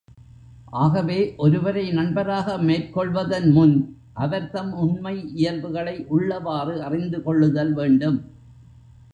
ஆகவே, ஒருவரை நண்பராக மேற்கொள்வதன் முன், அவர் தம் உண்மை இயல்புகளை உள்ளவாறு அறிந்து கொள்ளுதல் வேண்டும்.